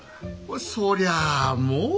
そりゃもう！